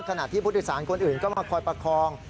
ขณะที่ผู้โดยสารคนอื่นก็มาคอยประคอง